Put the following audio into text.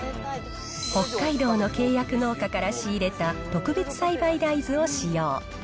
北海道の契約農家から仕入れた特別栽培大豆を使用。